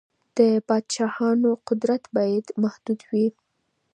د پادشاهانو قدرت بايد محدود وي.